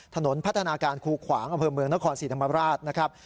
ถนนพัฒนาการคูขวางอำเภอเมืองนครศรีธรรมราชนะครับ